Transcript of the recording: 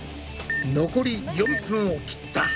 残り４分を切った。